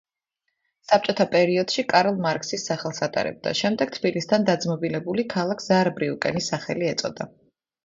საბჭოთა პერიოდში კარლ მარქსის სახელს ატარებდა, შემდეგ თბილისთან დაძმობილებული ქალაქ ზაარბრიუკენის სახელი ეწოდა.